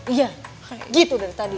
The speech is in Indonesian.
iya gitu dari tadi